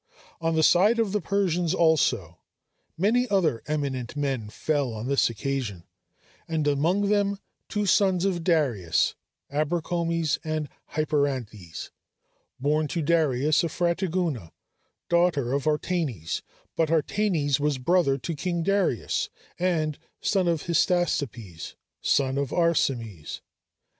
On the side of the Persians also, many other eminent men fell on this occasion, and among them two sons of Darius, Abrocomes and Hyperanthes, born to Darius of Phrataguna, daughter of Artanes; but Artanes was brother to king Darius, and son of Hystaspes, son of Arsames.